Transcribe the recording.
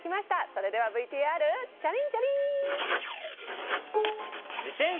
それではＶＴＲチャリンチャリン！